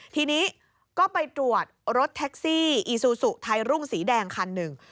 ทีนี้ก็ไปตรวจรถแท็กซี่อีซูซูไทยรุ่งสีแดงคันหนึ่ง